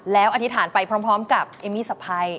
แล้วอธิษฐานไปพร้อมกับเอมมี่สะพัย